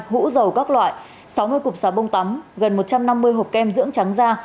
hũ dầu các loại sáu mươi cục sà bông tắm gần một trăm năm mươi hộp kem dưỡng trắng da